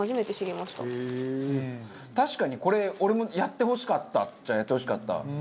確かにこれ俺もやってほしかったっちゃやってほしかった。